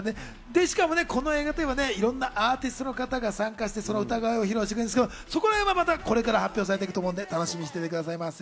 しかもこの映画というと、いろんなアーティストの方が参加して、その歌声を披露するんですけど、そのへんをまた発表されていくと思うので楽しみにしてください。